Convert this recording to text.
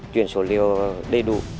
chuyển số liệu đầy đủ